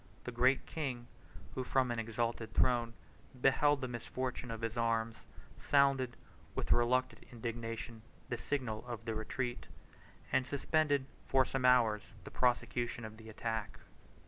The Great King, who, from an exalted throne, beheld the misfortunes of his arms, sounded, with reluctant indignation, the signal of the retreat, and suspended for some hours the prosecution of the attack.